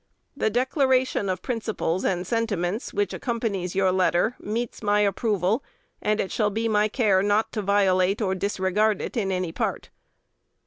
The declaration of principles and sentiments which accompanies your letter meets my approval; and it shall be my care not to violate or disregard it in any part.